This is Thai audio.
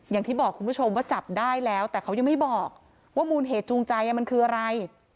อย่างที่บอกคุณผู้ชมว่าจับได้แล้วแต่เขายังไม่บอกว่ามูลเหตุจูงใจมันคืออะไร